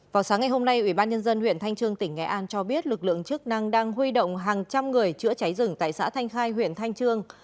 vào sáng ngày hôm nay ủy ban nhân dân huyện thanh trương tỉnh nghệ an cho biết lực lượng chức năng đang huy động hàng trăm người chữa cháy rừng tại xã thanh khai huyện thanh trương